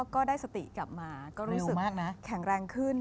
ก็ได้สติกลับมาก็รู้สึกแข็งแรงขึ้น